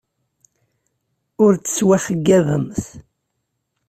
Ur tettwaxeyyabemt.